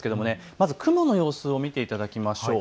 まず雲の様子を見ていただきましょう。